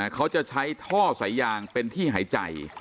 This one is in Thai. เขาจะใช้ท่อสายยางเป็นที่หายใจ